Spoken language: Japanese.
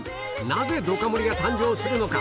なぜどか盛が誕生するのか？